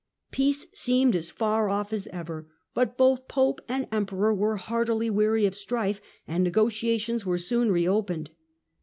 Peace seemed as far off as ever, but both Pope and Em peror were heartily weary of strife, and negotiations were soon reopened.